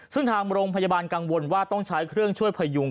ซึ่งทางโรงพยาบาลกังวลว่าต้องใช้เครื่องช่วยพยุง